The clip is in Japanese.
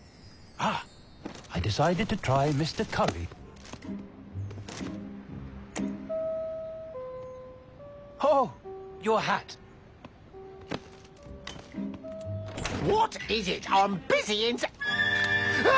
ああ！